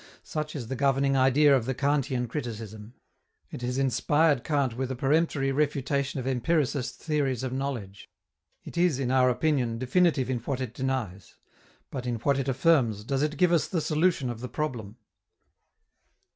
Such is the governing idea of the Kantian criticism. It has inspired Kant with a peremptory refutation of "empiricist" theories of knowledge. It is, in our opinion, definitive in what it denies. But, in what it affirms, does it give us the solution of the problem?